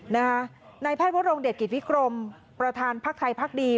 ในแพทย์วรงเดชกิจวิกรมประธานภาคไทยภาคดี